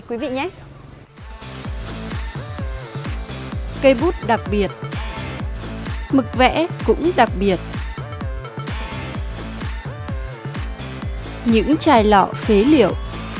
cây bút đặc biệt mực vẽ cũng đặc biệt những chai lọ khế liệu